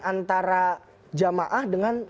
antara jamaah dengan